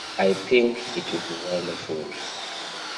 I think it would be wonderful.